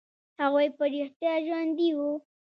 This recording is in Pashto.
هغوى په رښتيا ژوندي وو.